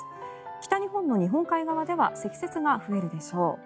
北日本の日本海側では積雪が増えるでしょう。